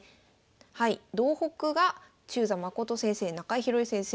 はい道北が中座真先生中井広恵先生